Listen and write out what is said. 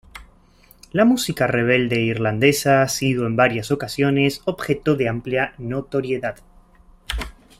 La música rebelde irlandesa ha sido en varias ocasiones objeto de amplia notoriedad.